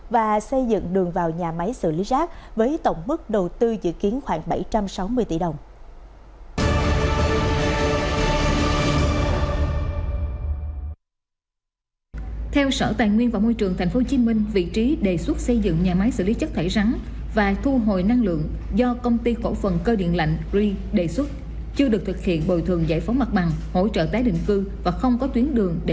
và xây dựng đường vào nhà máy xử lý rác với tổng mức đầu tư dự kiến khoảng bảy trăm sáu mươi tỷ đồng